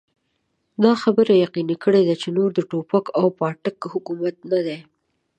دا خبره يقيني کړي چې نور د ټوپک او پاټک حکومت نه دی.